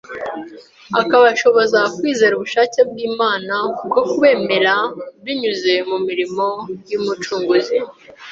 akabashoboza kwizera ubushake bw’Imana bwo kubemera binyuze mu mirimo y’Umucunguzi